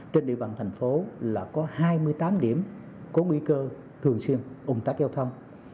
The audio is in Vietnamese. trên địa bàn tp hcm có hai mươi tám điểm có nguy cơ thường xuyên ồn tắc giao thông